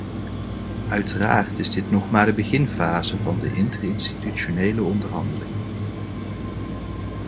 Uiteraard is dit nog maar de beginfase van de interinstitutionele onderhandelingen.